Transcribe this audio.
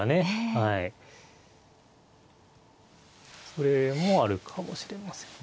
それもあるかもしれませんね。